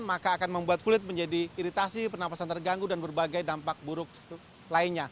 maka akan membuat kulit menjadi iritasi pernafasan terganggu dan berbagai dampak buruk lainnya